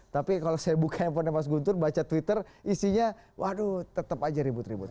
tapi kalau saya buka handphonenya mas guntur baca twitter isinya waduh tetap aja ribut ribut